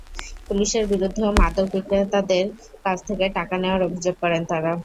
পুলিশের বিরুদ্ধেও মাদক বিক্রেতাদের কাছ থেকে টাকা নেওয়ার অভিযোগ করেন তাঁরা।